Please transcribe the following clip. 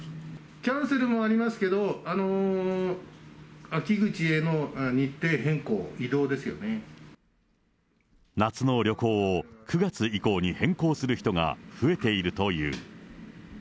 キャンセルもありますけど、夏の旅行を、９月以降に変更する人が増えているという。